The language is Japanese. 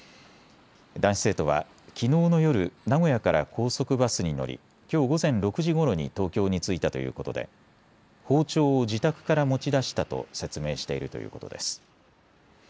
男子生徒はきのうの夜、名古屋から高速バスに乗りきょう午前６時ごろに東京に着いたということで包丁を自宅から持ち出したと説明しているということです。